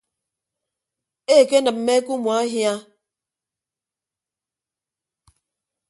Ekenịmme ke umuahia.